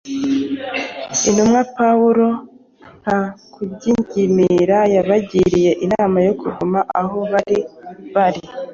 Intumwa Pawulo nta kugingimiranya yabagiriye inama yo kuguma aho bari bari